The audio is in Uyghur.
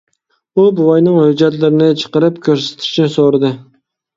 ئۇ بوۋاينىڭ ھۆججەتلىرىنى چىقىرىپ كۆرسىتىشنى سورىدى.